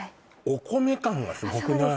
お米感がすごくない？